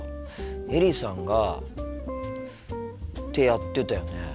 エリさんがってやってたよね。